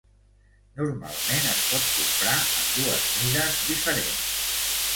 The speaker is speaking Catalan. Normalment es pot comprar en dues mides diferents.